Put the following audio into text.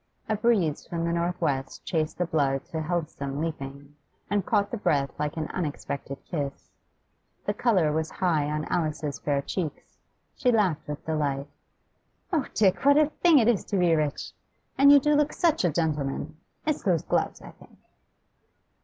A breeze from the north west chased the blood to healthsome leaping, and caught the breath like an unexpected kiss. The colour was high on Alice's fair cheeks; she laughed with delight. 'Oh, Dick, what a thing it is to be rich! And you do look such a gentleman; it's those gloves, I think.